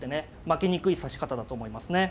負けにくい指し方だと思いますね。